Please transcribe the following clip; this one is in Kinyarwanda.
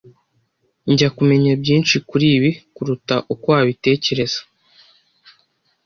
Njya kumenya byinshi kuri ibi kuruta uko wabitekereza.